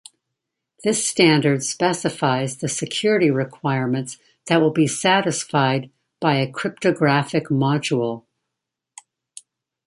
This standard specifies the security requirements that will be satisfied by a cryptographic module.